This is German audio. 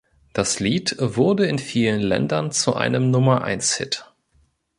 Das Lied wurde in vielen Ländern zu einem Nummer-eins-Hit.